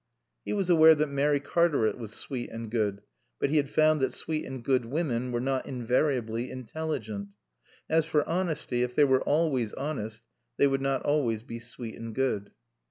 He was aware that Mary Cartaret was sweet and good. But he had found that sweet and good women were not invariably intelligent. As for honesty, if they were always honest they would not always be sweet and good.